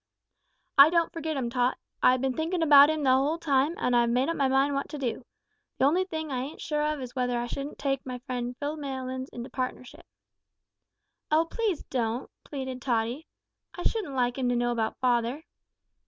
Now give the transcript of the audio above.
"I don't forget 'im, Tot. I've been thinkin' about 'im the whole time, an' I've made up my mind what to do. The only thing I ain't sure of is whether I shouldn't take my friend Phil Maylands into partnership." "Oh, please, don't," pleaded Tottie; "I shouldn't like 'im to know about father."